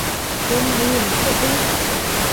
點可以唔識呢？